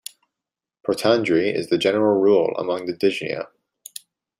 Protandry is the general rule among the Digenea.